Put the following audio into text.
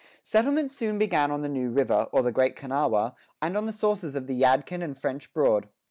Settlements soon began on the New River, or the Great Kanawha, and on the sources of the Yadkin and French Broad.